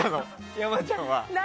山ちゃんは。